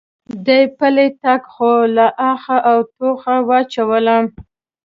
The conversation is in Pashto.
دې پلی تګ خو له آخه او ټوخه واچولم.